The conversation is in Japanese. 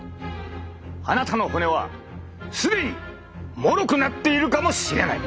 あなたの骨は既にもろくなっているかもしれない！